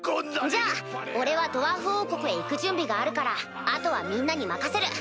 じゃあ俺はドワーフ王国へ行く準備があるから後はみんなに任せる。